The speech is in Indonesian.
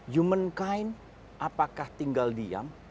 humankind apakah tinggal diam